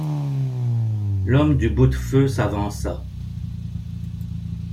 L'homme du boute-feu s'avança.